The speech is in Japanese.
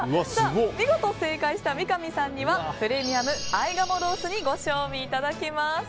見事、正解した三上さんにはプレミアム合鴨ロース煮をご賞味いただきます。